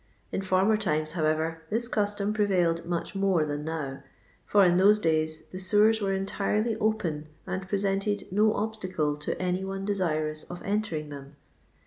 In former times, however, this custom prevailed much more than now, for in those dajrs the sewers were entirely open and presented no obatacle to any one deaiious of entering them.